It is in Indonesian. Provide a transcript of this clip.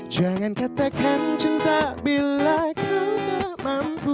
jangan katakan cinta bila kau tak mampu